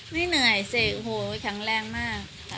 ไม่เหนื่อยเสกแข็งแรงมาก